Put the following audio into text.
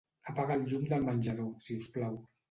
Apaga el llum del menjador, si us plau.